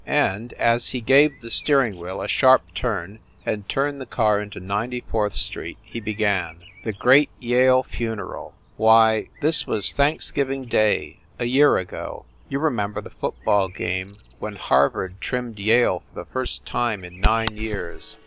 And, as he gave the steering wheel a sharp turn and turned the car into Ninety fourth Street, he began : THE GREAT YALE FUNERAL Why, this was Thanksgiving Day a year ago you remember the football game when Harvard trimmed Yale for the first time in nine years